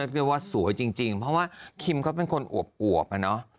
เรียกว่าสวยจริงเพราะว่าคิมเขาเป็นคนอวบอะเนาะ